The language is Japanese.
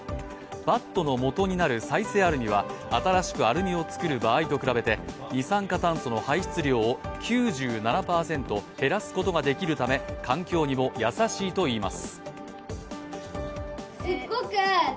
バットの元になる再生アルミは新しくアルミを作る場合と比べて二酸化炭素の排出量を９７％減らすことができるため環境にも優しいといいます。